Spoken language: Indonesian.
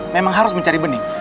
memang harus mencari bening